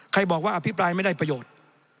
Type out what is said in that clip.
ใครบอกว่าอภิปรายไม่ได้ประโยชน์